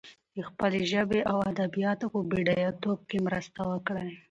د خپلې ژبې او ادبياتو په بډايتوب کې مرسته وکړي.